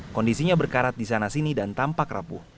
kondisinya berkarat di sana sini dan tampak rapuh